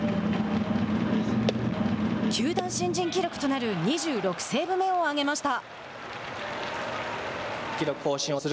球団新人記録となる２６セーブ目を挙げました。